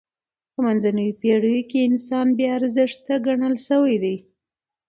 به منځنیو پېړیو کښي انسان بې ارزښته ګڼل سوی دئ.